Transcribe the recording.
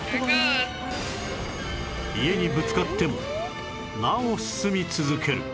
家にぶつかってもなお進み続ける